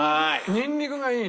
ニンニクがいいね！